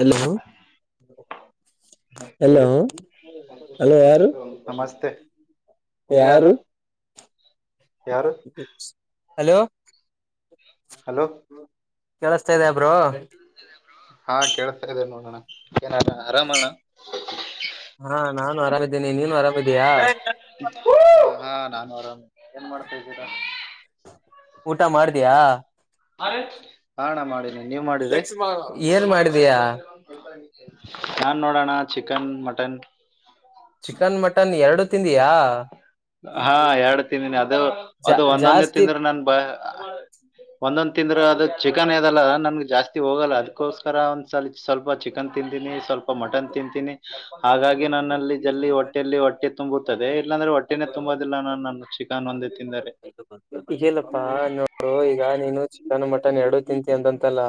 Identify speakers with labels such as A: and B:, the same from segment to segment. A: Hello. Hello ಯಾರು
B: ನಮಸ್ತೆ. ನೀವ್ಯಾರು
A: ಯಾರು.
B: ಯಾರು.
A: ಹಲೋ.
B: ಹಲೋ.
A: ಕೆಲಸ್ತ ಇದೆಯ ಬ್ರೋ.
B: ಹಾ ಕೇಳುಸ್ತಾ ಇದೆ ನೋಡೋಣ ಏನ್ ಆರಾಮ ಅಣ್ಣ.
A: ಹಾ ನಾನು ಆರಾಮಿದ್ದೇನಿ ನೀನು ಆರಾಮಿದೀಯ.
B: ಹಾ ನಾನು ಆರಾಮ ಏನ್ ಮಾಡ್ತೀದ್ದೀರಾ.
A: ಊಟ ಮಾಡ್ದ್ಯ.
B: ಹಾ ಅಣ್ಣ ಮಾಡಿನಿ ನೀವ್ ಮಾಡಿರಿ.
A: ಏನ್ ಮಾಡಿದೀಯಾ
B: ನಾನ್ ನೋಡಣ ಚಿಕನ್ ಮಟನ್.
A: ಚಿಕನ್ ಮಟನ್ ಎರಡು ತಿಂದಿಯಾ.
B: ಹಾ ಎರಡು ತಿಂದಿನ್ ಅದು
A: ಜಾ
B: ಅದು ಒಂದೊಂದೇ
A: ಜಾಸ್ತಿ
B: ತಿಂದ್ರ್ ನನ್ ಬಾಯಗ್. ಒಂದೊಂದ್ ತಿಂದ್ರ ಅದು ಚಿಕನ್ ಇದಲ ನಮ್ಗ್ ಜಾಸ್ತಿ ಹೋಗಲ್ಲ ಅದ್ಕ್ಕೋಸ್ಕರ ಒಂದ್ಸೊಲ್. ಸ್ವಲ್ಪ ಚಿಕನ್ ತಿಂತೀನಿ ಸ್ವಲ್ಪ ಮಟನ್ ತಿಂತೀನಿ. ಹಾಗಾಗಿ ನನ್ನಲ್ಲಿ ಜಲ್ಲಿ ಹೊಟ್ಟೆಲ್ಲಿ ಹೊಟ್ಟೆ ತುಂಬುತ್ತದ್. ಹೇ ಇಲ್ಲಾಂದ್ರೆ ಒಟ್ಟೆನೆೇ ತುಂಬದಿಲ್ಲಾ ನಾ ನನ್ ಚಿಕನ್ ಒಂದೇ ತಿಂದರೆ.
A: ಈಗೇಲೊತ್ತ ನೋಡು ಈಗ ನೀನು. ಚಿಕನ್ನು ಮಟನ್ನು ಎರಡು ತಿಂತಿ ಅಂತಂತಲ್ಲ.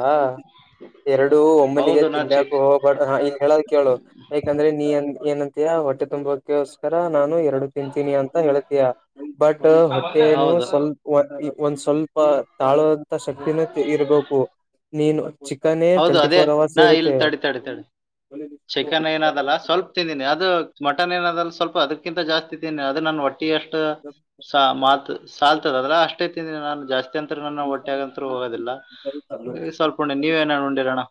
A: ಎರಡು ಒಮ್ಮಲಿಗೆ
B: ಹೌದು ನಾ
A: ತಿನ್ನಾಕ್
B: ಚಿಕ್
A: ಒಬೇಡ ಇಲ್ ಹೇಳದ್ ಕೇಳು ಯಾಕಂದ್ರೆ ನೀ. ಏನಂತಿಯಾ ಹೊಟ್ಟೆ ತುಂಬೋಕೆ ಓಸ್ಕರ ನಾನು ಎರಡು ತಿಂತೀನಿ ಅಂತ ಹೇಳತಿಯ. ಬಟ್ಟು ಹೊಟ್ಟೆನು
B: ಹೌದು
A: ಸ್ವಲ್ಪ ಹೊಟ್. ಒಂದ್ ಸ್ವಲ್ಪ ತಾಳುವಂತ ಶಕ್ತಿನು ಇ ಇರ್ಬೇಕು ನೀನು. ಚಿಕನ್
B: ಹೌದು
A: ಟ್ವೆಂಟಿ
B: ಅದೇ
A: ಫೋರ್ ಅವರ್ಸ್
B: ನಾ ಇಲ್
A: ಇರುತ್ತೆ
B: ತಡಿ ತಡಿ ತಡಿ. ಚಿಕನ್ ಏನದಲ್ಲ ಸ್ವಲ್ಪ್ ತಿಂದಿನಿ ಅದು. ಮಟನ್ ಏನದಲ್ ಸ್ವಲ್ಪ ಅದಕ್ಕಿಂತ ಜಾಸ್ತಿ ತಿನ್ ಅದು ನಾನ ಒಟ್. ಒಟ್ಟಿ ಅಷ್ಟ ಸ ಮಾತ್ ಸಾಲ್ತದ ಅದ್ರ ಅಷ್ಟೇ ತಿಂದಿನಿ ನಾನು ಜಾಸ್. ತ್ಯಂತ್ರ ನನ್ನ ಒಟ್ಟೆಗಂತ್ರು ಹೋಗದಿಲ್ಲ ಸ್ವಲ್ಪ ಉಣ್ಣ್ ನೀವ್ ಏನರ ಉಂಡಿರೆಣೊ.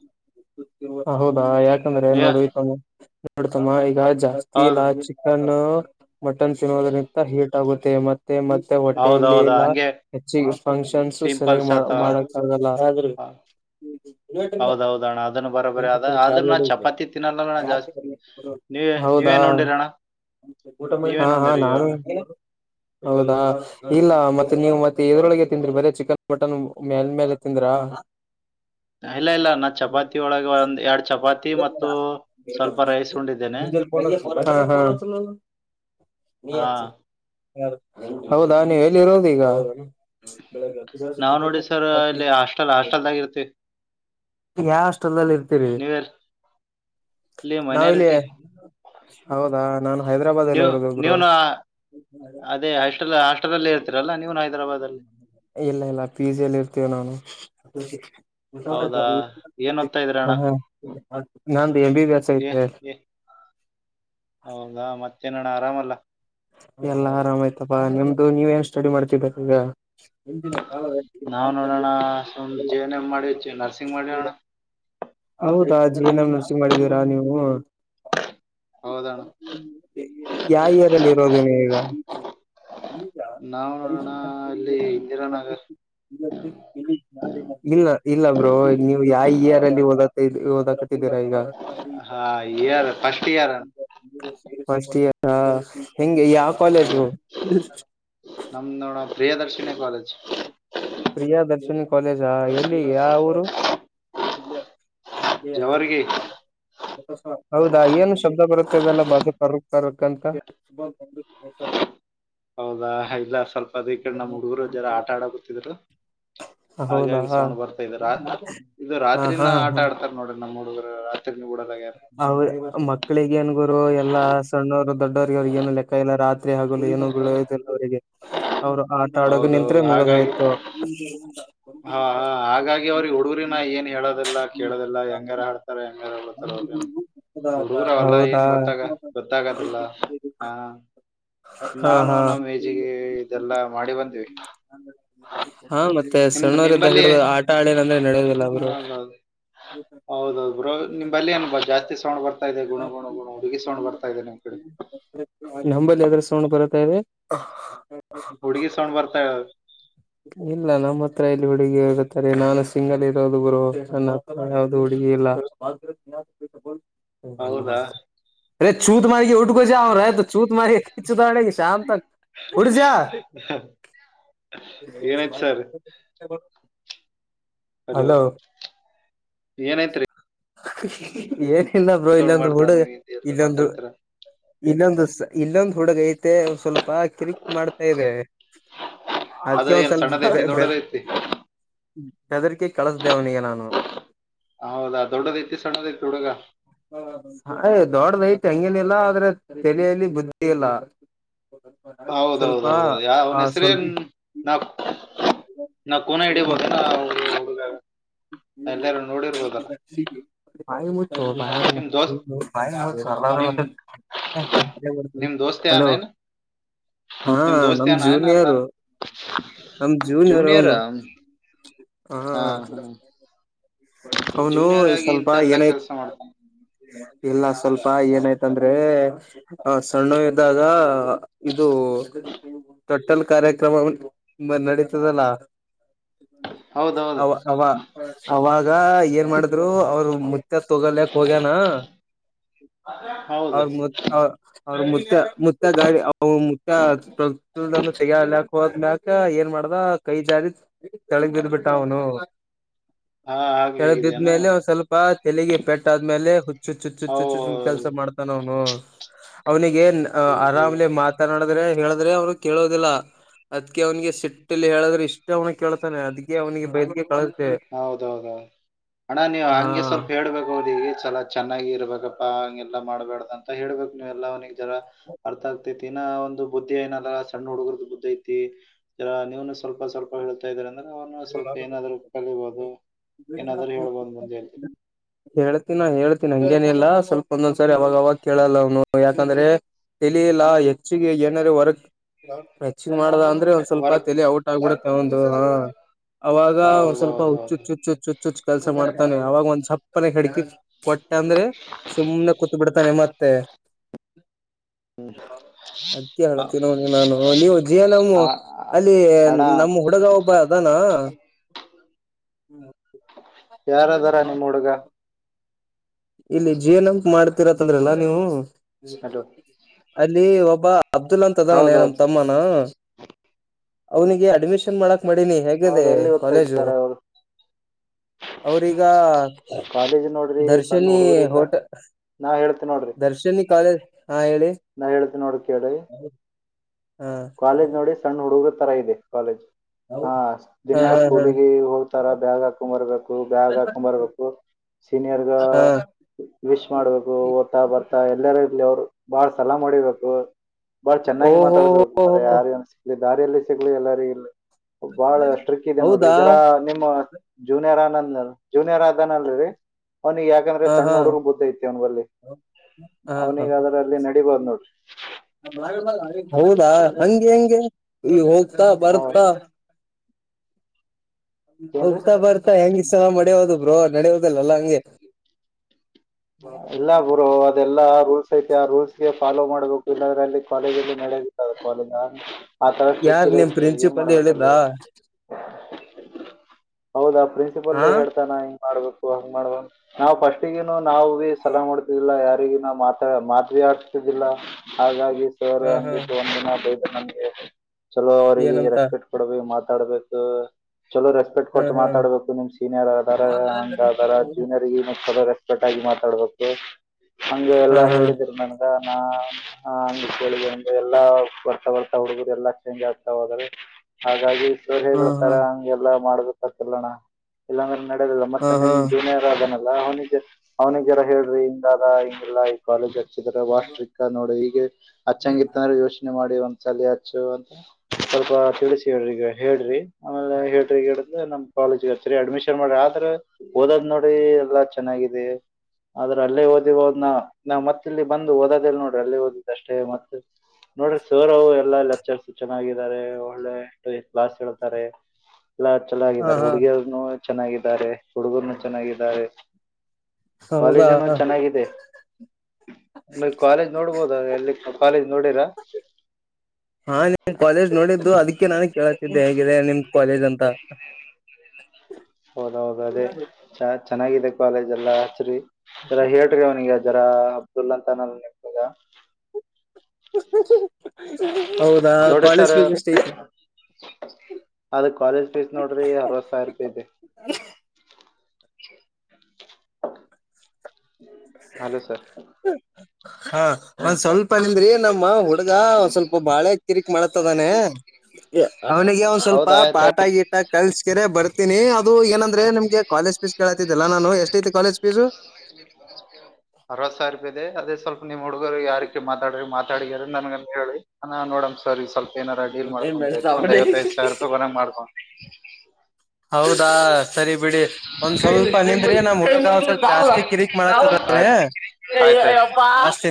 A: ಹೌದಾ ಯಾಕಂದ್ರೆ ನೋಡು ನೋಡ್ತಮ್ಮ ಈಗ ಜಾಸ್ತಿ
B: ಹೌದು
A: ಇಲ್ಲಾ ಚಿಕನ್ನು. ಮಟನ್ ತಿನ್ನೋವದರಿಂದ ಹೀಟ್ ಆಗುತ್ತೆ ಮತ್ತೆ ಮತ್ತೆ ಹೊಟ್ಟೆಯಲ್ಲಿ
B: ಹೌದೌದು
A: ಎಲ್ಲ.
B: ಹಂಗೆ
A: ಹೆಚ್ಚಿಗೆ ಫಂಕ್ಷನ್ಸು ಸರಿಯಾಗ್
B: ಪಿಂಪಲ್ಸ್
A: ಮಾ
B: ಆತ
A: ಮಾಡಕ್ ಆಗಲ್ಲ ಅದ್ರು. [inaudible]
B: ಹೌದೌದು ಅಣ್ಣ ಅದನ್ನು ಬರೋಬರಿ ಅದ ಆದ್ರೂ ನಾ ಚಪಾತಿ ತಿನ್ನಲ್ಲ ಅಣ್ಣ ಜಾಸ್ತಿ ನೀವೇ
A: ಹೌದಾ.
B: ನೀವೇನ್ ಉಂಡಿರಿ ಅಣ್ಣ
A: ಹಾ
B: ನೀವೇನ್
A: ಹಾ
B: ಉಂಡಿರಿ
A: ನಾನು.
B: ಇವಾಗ
A: ಹೌದಾ ಇಲ್ಲ ಮತ್ತೆ ನೀವ್ ಮತ್ತೆ ಯದ್ರೊಳಗೆ ತಿಂದ್ರಿ ಬರೇ ಚಿಕನ್ ಮಟನ್ ಮೇಲ್ ಮೆಗೆ ತಿಂದ್ರ್. ದ್ರ.
B: ಇಲ್ಲ ಇಲ್ಲ ನಾ ಚಪಾತಿ ಒಳಗ್. ಒಳಗ್ ಒಂದ್ ಎರಡ್ ಚಪಾತಿ ಮತ್ತು ಸ್ವಲ್ಪ ರೈಸ್ ಉಂಡಿದಿನಿ.
A: ಹಾ ಹಾ [inaudible] ಹೌದಾ ನಿವ್ ಎಲ್ಲಿರೋದಿಗ.
B: ನಾವ್ ನೋಡಿ ಸರಾ ಇಲ್ಲಿ ಹಾಸ್ಟೆಲ್ ಹಾಸ್ಟೆಲ್ದಾಗ್ ಇರ್ತಿವ್.
A: ಯಾ ಹಾಸ್ಟೆಲ್ದಲ್ ಇರ್ತೀರಿ.
B: ಇಲ್ಲಿ
A: ನಾವಿಲ್ಲಿ
B: ಮೈನಾರಿಟಿ.
A: ಹೌದಾ ನಾನ್ ಹೈದ್ರಾಬಾದ್ ಅಲ್ಲಿ
B: ನೀವು
A: ಇರೋದು ಬ್ರೋ
B: ನೀವ್ನು ಅದೇ ಹಾಸ್ಟೆಲ್ ಹಾಸ್ಟೆಲ್ ದಲ್ಲಿ ಇರ್ತೀರಲ್ಲಾ ನೀವು ಹೈದರಾಬಾದ್ ಅಲ್ಲಿ
A: ಇಲ್ಲ ಇಲ್ಲ ಪಿಜಿ ಲ್ಲಿ ಇರ್ತೇವ ನಾನು
B: ಹೌದಾ ಏನ್ ಓದ್ತಾ ಇದ್ರಿ ಅಣ್ಣ
A: ನಂದ ಎಂ ಬಿ ಬಿ ಎಸ್
B: ಏ
A: ಐತೆ
B: ಏ ಹೌದಾ ಮತ್ತೇನಣ್ಣ ಆರಾಮಲ್ಲ.
A: ಎಲ್ಲಾ ಆರಾಮಾಯ್ತಪ್ಪಾ ನಿಮ್ದು ನೀವ್ ಏನ್ ಸ್ಟಡಿ ಮಾಡ್ತಬೇಕ ಈಗ
B: ನಾವ್ ನೋಡೋಣ ಸುಮ್ ಜೆ ಎನ್ ಎಮ್ ಮಾಡಿ ನರ್ಸಿಂಗ್ ಮಾಡಿವ ಅಣ್ಣ
A: ಹೌದಾ ಜೆ ಏನ್ ಎಮ್ ನರ್ಸಿಂಗ್ ಮಾಡಿದ್ದೀರಾ ನೀವು
B: ಹೌದಣ
A: ಯಾ ಏರಲ್ಲಿ ಇರೋದ ನೀವ್ ಈಗ ಈಗ
B: ನಾವ್ ನೋಡೋಣ
A: ಪರಿಶೀಲ
B: ಅಲ್ಲಿ
A: ಕೃಗ
B: ಇಂದಿರಾನಗರ್
A: [unintelligible] ಇಲ್ಲ ಇಲ್ಲ ಬ್ರೋ ನೀವು ಯಾವ ಇಯರ್ ಅಲ್ಲಿ ಓದ ಓದಕತಿ ಬಿಗರ ಈಗ
B: ಹಾ year first year
A: first year ಹಾ ಹೆಂಗೆ ಯಾವ ಕಾಲೇಜು
B: ನಮ್ ನೋಡ Priyadarshini college
A: Priyadarshini college ಎಲ್ಲಿ ಯಾ ಊರು ನಿ
B: ಜವರ್ಗಿ
A: ಅಸ [unintelligible] ಹೌದಾ ಏನು ಶಬ್ದ ಬರುತ್ತದೆಲ್ಲ ಬ ಕರ್ಕ್ ತರ್ಕ್ ಅಂತ
B: ಹೌದಾ ಇಲ್ಲ ಸ್ವಲ್ಪ ಅದೇ ಕಡೆ ನಮ್ಮ್ ಹುಡುಗರು ಜರ ಆಟಾ ಆಡ ಕುಂತ್ತಿದ್ರು
A: ಹೌದಾ
B: ಹಾಗಾಗಿ ಸೌಂಡ್
A: ಹ
B: ಬರ್ತಾ ಇದೀರಾ ಇದು
A: ಹಾ
B: ರಾತ್ರಿನ ಆಟ
A: ಹಾ
B: ಆಡ್ತಾರ ನೋಡ್ರಿ ನಮ್ಮ್ ಹುಡುಗರು ರಾತ್
A: ಅವ್ರ ಮಕ್ಕಳಿಗೆ ಏನ್ ಗುರು ಎಲ್ಲಾ ಸಣ್ಣವರು ದೊಡ್ಡವ್ರಿಗೆ ಅವ್ರಿಗಏನು ಲೆಕ್ಕ ಇಲ್ಲ ರಾತ್ರಿ ರೆ ಆಗಲು [unintelligible] ಅವರಿಗೆ ಅವರು ಆಟ ಆಡೋಕ ನಿಂತರೆೆ
B: ಹೌದೌದು
A: ಮುಗದ್
B: ಹಾಗಾಗಿ
A: ಹೋಯ್ತು
B: ಹಾ ಹಾ ಹಾಗಾಗಿ ಅವ್ರಿಗೆ ಹುಡುಗರನ ಏನ್ ಹೇಳೋದಲ್ಲ ಕೇಳೋದಲ್ಲ ಹೆಂಗಾರ ಆಡ್ತಾರೆ
A: ಹ
B: ಹುಡುಗರವಲ್ಲ ಏನ್ ಗೊತ್ತಾಗ ಗೊತ್ತಾಗದಲ್ಲ ಹಾ
A: ಹಾ
B: ನಾವ
A: ಹಾ
B: ನಮ್ಮ್ ಏಜಿಗೆ ಇದೆಲ್ಲಾ ಮಾಡಿ ಬಂದೀವಿ.
A: ಹಾ ಮತ್ತೆ
B: ನಿಬ
A: ಸಣ್ಣವರಿದ್ದ
B: ನಿಂಬಲ್ಲಿ
A: ಹಿಡಿದು ಆಟ ಆಡಿಲ್ಲ ಅಂದ್ರೆ ನಡೆಯೋದಿಲ್ಲ ಅವರು
B: ಹೌದು ಹೌದೌಹೌದು ಬ್ರೋ ನಿಂಬಲಿ ಅನ್ ಜಾಸ್ತಿ ಸೌಂಡ್ ಬರ್ತಾದೆ ಗುಣ ಗುಣ ಗುಣ ಹುಡುಗಿ ಸೌಂಡ್ ಬರ್ತಾ ಇದೆ ನಿಮ್ ಕಡೆ
A: ನಂಬಲ್ಲಿ ಎದ್ರ ಸೌಂಡ್ ಬರತ್ತ ಇದೆ
B: ಹುಡುಗಿ ಸೌಂಡ್ ಬರ್ತಾ
A: ಇಲ್ಲ ನಮ್ಮ ಹತ್ರ ಇಲ್ಲಿ ಹುಡುಗಿ ಹೋಗತ್ತಾರೆ ನಾನು ಸಿಂಗಲ್ ಇರೋದು ಗುರು ನನ್ನ ಹತ್ರ ಯಾವ್ದು ಹುಡುಗಿ ಲ್ಲ [unintelligible]
B: ಹೌದಾ
A: ಅರೆ ಚೂತ ಮಾರಿಗೆ ಉಟಕೋ ಜಾವ ರ ಚೂತ ಮಾರ ಚತ ಶಾಮ ತಕ ಹೊಡ್ಜಾ
B: ಏನೈತ್ ಸರ್
A: ಬ
B: ಹಲೋ ಏನೈತ್ರಿ
A: ಏನಿಲ್ಲ ಬ್ರೋ
B: ಸೌಂಡ್
A: ಇಲ್ಲೊಂದು
B: ಮಾಡ್ತಾ
A: ಹುಡುಗ
B: ನೀವು ಹಿಂದಿಯಲ್ಲಿ
A: ಇಲ್ಲೊಂದು
B: ಮಾತಾಡ್ತೀರ
A: ಇಲ್ಲೊಂದು ಇಲ್ಲೊಂದು ಹುಡುಗ ಐತೆ ಸ್ವಲ್ಪ ಕಿರಿಕ್ ಮಾಡ್ತಾ ಇದೆ.
B: ಅದ
A: ಅದಕ್ಕೆ ಒಂದ್
B: ಏನ್ ಸಣ್ಣದ ಐತಿ ದೊಡ್ಡದ ಐತಿ
A: ಹೆದರಿಕಿ ಕಳಸ್ದೇವನಿಗೆ ನಾನು
B: ಹೌದಾ ದೊಡ್ಡದ ಐತಿ ಸಣ್ಣದ ಐತಿ ಹುಡುಗ
A: ಅಯ ದೊಡ್ಡದೈತಿ ಹಂಗೇನಿಲ್ಲ ಆದ್ರೆ ತಲೆಯಲ್ಲಿ ಬುದ್ಧಿ ಇಲ್ಲ ಸ್ವಲ್ಪ
B: ಹೌದೌದ ಹೌದೌದು ಯ ಅವನ
A: ಆ
B: ಹೆಸ್ರೇನ್
A: ಸ್ವಲ್ಪ
B: ನಾ ನಾ ಕುನ ಹಿಡಿಬೋದನಾ ಹುಡುಗ ಎಲ್ಲಾರು ನೋಡಿರ್ಬೋದಲ್ಲ
A: ಬಾಯಿ ಮುಚ್ಚೋ ಬಾಯಿ
B: ನಿಮ್
A: ಮುಚ್ಚೋ [unintelligible]
B: ದೋಸ್ತ್
A: ಮುಟ್ಟತ
B: ನಿಮ್
A: ಆ ಸರ್ ಹ
B: ನಿಮ್ ದೋಸ್ತ
A: ಹಲೋ
B: ಯಾನೇನ್
A: ಹಾ
B: ನಿಮ್ ದೋಸ್ತ
A: ನಮ
B: ಯಾನೇನ್ ಅಂತ
A: ಜೂನಿಯರು ನಮ ಜೂನಿಯರ್ ಅವನು
B: ಹಾ ಹಾ
A: ಅವನು
B: ಜೂನಿಯರ್ ಆಗಿ
A: ಸ್ವಲ್ಪ
B: ಇಂತ ಎಲ್ಲಾ
A: ಏನಾಯತ
B: ಕೆಲಸ ಮಾಡ್ತಾನೆ
A: ಇಲ್ಲ ಸ್ವಲ್ಪ ಏನಾಯ್ತಂದ್ರೆ ಸಣ್ಣ ಇದಾಗ ಇದು ತೋಟಲ್ಲ ಕಾರ್ಯಕ್ರಮ ನಡೀತದಲ್ಲ
B: ಹೌದೌದು
A: ಅವ ಅವ ಅವ ಈಗ ಏನ್ ಮಾಡಿದ್ರು ಅವ್ರ ಮುತ್ತ ತಗೊಲ್ಕ್ ಹೋಗ್ಯನಾ
B: ಹ
A: ಅವ್ರ ಅವ್ರ ಮುತ್ತ ಮುತ್ತ ಗಾ ಮುತ್ತ ತೆಗ ಕ್ ಹೋದ್ಕ ಏನ್ ಮಾಡ್ದ ಕೈ ಜಾರಿ ತೆಳಗ್ ಬಿದ್ ಬಿಮಟ್ಟ ಅವನು
B: ಹಾ ಹಾಗೆ ಆಗಿದೇನು
A: ತಳದಿದ್ಮೇಲೆ ಒ ಸ್ವಲ್ಪ ತೆಗೆ ಪೆಟ್ಟಾದ್ಮೇಲೆ ಹುಚ್ಚುಚ್ಚುಚ್ಚ ಹುಚ್ಚುಚ್ಚುಚ್ಚ ಕೆಲಸ
B: ಹೌದು
A: ಮಾಡ್ತಾನ ಅವ್ನು ಹ್ಮ ಅವ್ನಿಗೆ ಏನ್ ಆರಾಮ್ಲೆ ಮಾತನಾಡಿದ್ರೆ ಹೇಳಿದ್ರೆ ಅವ್ನು ಕೇಳೋದಿಲ್ಲ ಅದ್ಕ ಅವನಿಗೆ ಸಿಟ್ಟಲ್ಲಿ ಹೇಳದ್ರೆ ಇಷ್ಟ ಅವ್ನ ಕೇಳ್ತಾನೆ ಅದ್ಗೆ ಅವನಿಗೆ ಬೈದ
B: ಹೌದು ಹೌದೌ ಅಣ್ಣ ನೀವು
A: ಹಾ
B: ಹಂಗೆ ಸ್ವಲ್ಪ ಹೇಳ್ಬೇಕು ಹೌದು ಈಗ ಚಲ ಚೆನ್ನಾಗಿ ಇರ್ಬೇಕಪ್ಪಾ ಹಗೆ ಎಲ್ಲ ಮಾಡಬೇಡ್ದ ಅಂತ ಹೇಳ್ಬೇಕುನೀವೆಲ್ಲ ಅವನಿಗೆ ಜರ ಅರ್ಥ ಆಗತ್ತ ದಿನ ಅವನಿಗೆ ಬುದ್ಧಿ ಏನ ಅಲ್ಲ ಸಣ್ಣ ಹುಡುಗರದ ಬುದ್ಧಿ ಐತಿ ನೀವನು ಸ್ವಲ್ಪ ಸ್ವಲ್ಪ ಹೇಳ್ತಾ ಇದ್ರ ನಿಂದು ಅವನ್ನು ಸ್ವಲ್ಪ ಏನಾದ್ರು ಕಲಿಬೋದು ಏನಾದ್ರು ಹೇಳ್ಬೋದು ಮುಂದೆ
A: ಹೇಳ್ತೀನ ಹೇಳ್ತೀನ ಏನಿಲ್ಲ ಸ್ವಲ್ಪ ಒಂದೊಂದ್ಸರಿ ಅವಾಗ ಅವಾಗ ಕೇಳಲ್ಲ ಅವ್ನು ಯಾಕಂದ್ರೆ ತಿಳಿಯಲ್ಲ ಹೆಚ್ಚಿಗೆ ವರ್ಕ್ ಹೆಚ್ಚಿಗೆ ಮಾಡದ ಅಂದ್ರೆ ಒಂದ್ ಸ್ವಲ್ಪ
B: ವರ್ಕ್
A: ತಲೆ ಔಟ್ ಆಗ್ಬಿಡತ್ತೆ ಅವಂದು ಅವಾಗ ಒಂದ್ ಸ್ವಲ್ಪ
B: ಹೌದೌದೌದು
A: ಹುಚ್ಚುಚ್ಚುಚ್ಚುಚ್ಚುಚ್ಚುಚ್ಚು ಕೆಲಸ ಮಾಡ್ತಾನೆ ಅವಾಗ ಒಂದ್ ಸಪ್ಪನೆ ಹೆಡಕಿಗೆ ಕೊಟ್ಟ ಅಂದ್ರೆ ಸುಮ್ನೆ ಕೂತ್ ಬಿಡ್ತಾನೆ ಮತ್ತೆ
B: ಊಟ
A: ಅದಕ್ಕೆ ಅಳತಿನೋ ಹಂಗ ನಾನು ನೀವು ಜೀ ನಮ್ಮ
B: ಆ
A: ಅಲ್ಲಿ
B: ಅಣ್ಣ
A: ನಮ್ಮ ಹುಡುಗ ಒಬ್ಬ ಅದಾನ ಹ್ಮ ಹ್ಮ
B: ಯಾರ ಅದರ ನಿಮ್ಮ್ ಹುಡುಗ
A: ಇಲ್ಲಿ ಜೀವನ ಮಾಡ್ತಿರತ್ತಂದ್ರಲ್ಲ ನೀವು
B: ಹಲೋ
A: ಅಲ್ಲಿ ಒಬ್ಬ ಅಬ್ದುಲ್ ಅಂತ ಅದವನೇ ನಮ್ಮ
B: ಹೌದೌದು
A: ತಮ್ಮನ ಅವನಿಗೆ ಅಡ್ಮಿಷನ್ ಮಾಡಕ್ ಮಾಡೀನಿ ಹೇಗಿದೆ
B: ಹೌದ ಎಲ್ಲಿ ಓದ್ತಾ
A: ಕಾಲೇಜು
B: ಇದ್ದಾರೆ ಅವ್ರು
A: ಅವ್ರೀಗ
B: ಕಾಲೇಜ್ ನೋಡ್ರಿ
A: ದರ್ಶನ್
B: ಸಣ್ಣ
A: ದರ್ಶನ
B: ಹುಡುಗರು ಇದ್ದ
A: ಹೋಟೆಲ್
B: ನಾ ಹೇಳ್ತೀನಿ ನೋಡ್ರಿ
A: ದರ್ಶಿನಿ ಕಾಲೇಜ್ ಹಾ ಹೇಳಿ
B: ನಾ ಹೇಳೇಳ್ತಿನೋಡ್ರಿ ಕೇಳಿ
A: ಹಾ
B: ಕಾಲೇಜ್ ನೋಡಿ ಸಣ್ಣ ಹುಡುಗ ತರ ಇದೆ ಕಾಲೇಜ್ ಹಾ
A: ಹಾ
B: ದಿನ
A: ಹಾ
B: ಸ್ಕೂಲಿಗೆ ಹೋಗ್ತಾರ ಬ್ಯಾಗ್ ಹಾಕೊಂಬರ್ಬೇಕು ಬ್ಯಾಗ್ ಹಾಕೊಂಬರ್ಬೇಕು ಸೀನಿಯರ್ಗ
A: ಹಾ ಹಾ
B: ವಿಶ್ ಮಾಡ್ಬೇಕು ಓದ್ತಾ ಬರ್ತಾ ಎಲ್ಲೆರ ಇರ್ಲಿ ಅವರು ಬಾಳ್ ಸಲಾ ಮಾಡಿಬೇಕು ಬಾಳ್ ಚೆನ್ನಾಗಿ
A: ಓಹೋ
B: ಮಾತಾಡ್ಸ್ಬೇಕು ಮಾರಾಯ
A: ಓಹೋ
B: ಯಾರು ಏನ್ ಸಿಕ್ಲ ದಾರಿಯಲ್ಲಿ ಸಿಗ್ಲು ಎಲ್ಲಾರ ಇರಲಿ ಬಾಳ ಸ್ಟ್ರಿಕ್ ಇದೆ ನೋಡ್ರಿ
A: ಹೌದಾ
B: ಇದರ ನಿಮ್ಮ ಜೂನಿಯರ್ ಅನಂದ ಜ್ಯೂನಿಯರ್ ಆದನಲ್ರಿ ಅವ್ನಿ ಯಾಕಂದ್ರೆ
A: ಹಾ
B: ಸಣ್ಣ
A: ಹಾ
B: ಹುಡುಗರು ಬುದ್ಧಿ ಯೈತಿ ಅವ್ನ ಬಲ್ಲಿ
A: ಹಾ ಹಾ
B: ಅವನೀಗ ಅದ್ರ ಅಲ್ಲಿ ನಡೀಬಹುದು ನೋಡ್ರಿ
A: ಹೌದಾ ಹಂಗೆ ಹೆಂಗೆ ಇಲ್ಲಿ ಹೋಗ್ತಾ
B: ಹಾ
A: ಬರ್ತಾ
B: ಏನ್ರಿ
A: ಹೋಗ್ತಾ ಬರ್ತಾ ಹೆಂಗಸ ಮಾಡವದು ಬ್ರೋ ನಡೋದಲ್ಲಲ್ಲ ಹಂಗೆ
B: ಇಲ್ಲ ಬ್ರೋ ಅದೆಲ್ಲಾ ರೂಲ್ಸ್ ಐತಿ ಆ ರೂಲ್ಸ್ ಫಾಲೋ ಮಾಡ್ಬೇಕು ಇಲ್ಲಾರ ಅಲ್ಲಿ ಕಾಲೇಜಲ್ಲಿ ನಡೆಯೋದಿಲ್ಲ ಕಾಲೇಜ್ ಆ ತರ
A: ಯಾರ್ ನಿಮ್
B: ಸಿಕ್ಕಿದರ್ ಏನ್
A: ಪ್ರಿನ್ಸಿಪಲ್
B: ಮಾಡಬೇಕಲ್ಲಿ
A: ಹೇಳಿದ್ದಾ
B: ಹೌದಾ ಪ್ರಿನ್ಸಿಪಲ್
A: ಹಾ
B: ಹೇಳ್ತಾನ ಹಿಂಗ್ ಮಾಡ್ಬೇಕು ಹಂಗ ಮಾಡ್ಬ ನಾವು ಪೇಸ್ಟಿಗಿಂಟ್ ನಾವುಬಿ ಸಲಾಮ್ ಮಾಡ್ತಿದ್ದಿಲ್ಲ ಯಾರಿಗ ನಾ ಮಾತ ಮಾದವಿ ಆಡ್ತಿದ್ದಿಲ್ಲ ಹಾಗಾಗಿ ಸರ್
A: ಹಾ ಹಾ
B: ಹಂಗಿದರ ಅವರಿಗೆ
A: ಏನಂತ
B: ರೆಸ್ಪೆಕ್ಟ್ ಕೊಡಬೇಕ ಹಡ್ಬೇಕು ಚಲೋ ರೆಸ್ಪೆಟ್
A: ಹಾ
B: ಕೊಟ್ಟು
A: ಹಾ
B: ಮಾತಾಡ್ಬೇಕು ನಿಮ್ ಸೀನಿಯರ್ ಅದರ
A: ಹಾ
B: ಹಂಗ ಅದಾರ ಜೂನಿಯರ್ ಚಲೋ ರೆಸ್ ಕರೆಕ್ಟ್ ಆಗಿ ಮಾತಾಡ್ಬೇಕು ಹಂಗೆ
A: ಹಾ
B: ಎಲ್ಲಾ
A: ಹಾ
B: ಹೇಳಿದರು ನನ್ಗ ಹಾ ಅಂಗ ಕೇಳಿದೀನಿ ರಿ ಎಲ್ಲಾ ಬರ್ತಾ ಬರ್ತಾ ಹುಡ್ಗರು ಎಲ್ಲಾ ಚೇಂಜ್ ಆಗ್ತಾ ಹೋದ್ರ ಹಾಗಾಗಿ ಸರ್ ಹೆಂಗ
A: ಹಾ ಹಾ
B: ಹೇಳತಾರೋ ಮಾಡಬೇಕ ತರ್ತಿಲ್ಲೋಣ ಇಲ್ಲಾಂದ್ರೆ ನಡದಿಲ್ಲ
A: ಹಾ
B: ಮತ್ತೆ ನಿಮ ಜೂನಿಯರ್ ಅದನ ಅವನಿಗೆ ಅವ್ನಿಗಹೇಳ್ರಿ ಇಿಂದಾರ ಇಂಗಲ್ಲಾ ಈ ಕಾಲೇಜ್ ಈಗ ಅವ ಸ್ಟ್ರಿಕ್ಟ್ ನೋಡಿ ಈಗ ಅಚ್ಚಂಗಿರ್ಂದ್ರೆ ಯೋಚನೆ ಮಾಡಿ ಒಂದ್ ಸಲ ಹಚ್ಚು ಸ್ವಲ್ಪ ತಿಳಿಸಿ ಹೇಳ್ರಿ ಹೇಳ್ರಿ ಆಮೇಲೆ ಹೇಳ್ರಿ ನಮ್ ಕಾಲೇಜ್ರ್ತರಿ ಅಡ್ಮಿಶನ್ ಮಾಡ್ರಿ ಆದ್ರ ಓದದ್ ನೋಡಿ ಎಲ್ಲಾ ಚೆನ್ನಾಗಿದೆ ಆದ್ರೆ ಅಲ್ಲೇ ಓದಿ ಹೋದ್ ನ ನಾವ್ ಮತ್ತ ಇಲ್ಲಿ ಬಂದು ಓದೋದಲ್ ನೋಡ್ರಿ ಅಲ್ಲಿ ಓದಿದ್ದ್ ಅಷ್ಟೇ ಮತ್ತ ನೋಡ್ರಿ ಸರ್ ಅವರು ಎಲ್ಲಾ ಲೆಕ್ಚರ್ಸ್ ಚೆನ್ನಾಗಿದ್ದಾರೆ ಒಳ್ಳೆ ಕ್ಲಾಸ್ ಹೇಳ್ತಾರೆ ಎಲ್ಲ ಚೆನ್ನಾಗಿದ್ದಾರೆ
A: ಹಾ ಹಾ
B: ಹುಡುಗಿಯರುನು ಚೆನ್ನಾಗಿದ್ದಾರೆ ಹುಡುಗರುನು ಚೆನ್ನಾಗಿದ್ದಾರೆ
A: ಹೌದಾ
B: ಕಾಲೇಜನು ಚೆನ್ನಾಗಿದೆ ಕಾಲೇಜ್ ನೋಡ್ಬೋದ ಎಲ್ಲಿ ಕಾಲೇಜ್ ನೋಡಿರಾ
A: ಹಾ ನೀನ್ ಕಾಲೇಜ್ ನೋಡಿದ್ದು ಅದಕ್ಕೆ ನಾನ ಕೇಳಕ್ ಹೇಗಿದೆ ನಿಮ್ದ ಕಾಲೇಜ್ ಅಂತ
B: ಹೌದ ಹೌದು ಅದೇ ಚೆನ್ನಾಗಿದೆ ಕಾಲೇಜ್ ಎಲ್ಲ ಹಚ್ಚರಿ ಎಲ್ಲ ಹೇಳೇಟ್ರಿ ಅವನಿಗೆ ಇದರಾ ಅಬ್ದುಲ್ಲಾ ಅಂತಾನಲ್ಲ ನಿತದ
A: ಹೌದಾ ಕಾಲೇಜ್ ಫೀಸ್ ಎಷ್ಟ ಐತೆ
B: ಅದ ಕಾಲೇಜ್ ಫೀಸ್ ನೋಡ್ರಿ ಅರವತ್ ಸಾವಿ ರೂಪಾಯಿ ಇದೆ ಅಲೋ ಸರ್
A: ಹಾ ಒಂದ್ ಸ್ವಲ್ಪ ನಿಂದ್ರಿ ನಮ್ಮ ಹುಡ್ಗ ಒ ಸ್ವಲ್ಪ ಬಾಳೆ ಕಿರಿಕ್ ಮಾಡತ್ತದಾನೆ ಅವ್ನಿಗೆ ಒಂದ ಸ್ವಲ್ಪ
B: ಹೌದಾ ಆಯ್ತ್
A: ಪಾಠ ಗಿಟ್ಟ ಕಳ್ಸಕರೆ ಬರ್ತೀನಿ ಅದು ಏನಂದ್ರೆ ನಿಮ್ಗೆ ಕಾಲೇಜ್ ಫೀಸ್ ಕೇಳತಿದ್ದಲ್ಲ ನಾನು ಎಷ್ಟೈಐತಿ ಕಾಲೇಜ್ ಫೀಸು
B: ಅರವತ್ ಸಾವಿರ ರೂಪಿದೆ ಅದೇ ಸ್ವಲ್ಪ ನಿಮ್ ಹುಡ್ಗರು ಯಾರ ರ ಮಾತಾಡ್ರ ಮಾ ಅಡಗ ನನ್ಗಂತ ಕೇಳಿ ನೋಡಣ ಸರ್ ಈ ಸ್ವಲ್ಪ ಏನಾರ ಡೀಲ್ ಮಾಡ್ಕೊಂಡ್ರಾಯ್ತ ಒಂದ ಐವತ್ತೈದು ಸಾವಿರ ರೂಪಾಯಿ ಬರ್ ಮಾಡ್ಕೊಂಡು
A: ಹೌದಾ ಸರಿ ಬಿಡಿ ಒಂದ್ ಸ್ವಲ್ಪ ನಿಂದ್ರೆ ನಮ್ ಹಟ್ಟಲ್ಪ ಜಾಸ್ತಿ ಕಿರಿಕ್ ಮಾಡತ
B: ಆಯ್ತು ಆಯ್ತು
A: ಕ ಬ